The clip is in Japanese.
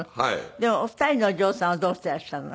でもお二人のお嬢さんはどうしていらっしゃるの？